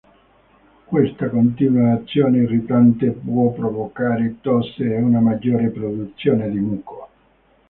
Questa continua azione irritante può provocare tosse e una maggiore produzione di muco.